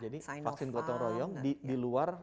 jadi vaksin gotong royong di luar